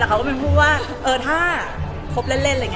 อย่างถ้าครบเล่น